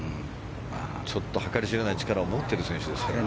ちょっと計り知れない力を持っている選手ですから。